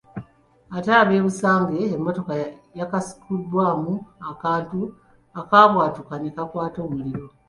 Ate e Busage emmotoka yakasukibwamu akantu akaabwatuka ne kakwata omuliro.